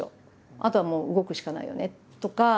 あとはもう動くしかないよね」とか。